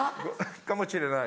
かもしれない。